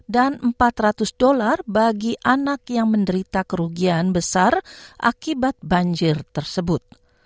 dan empat ratus dolar bagi anak yang menderita kerugian besar akibat banjir tersebut